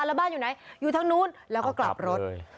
แล้วบ้านอยู่ไหนอยู่ทางนู้นแล้วก็กลับรถ